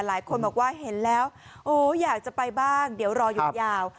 หลายคนบอกว่าเห็นแล้วโอ้อยากจะไปบ้างเดี๋ยวรอหยุดยาว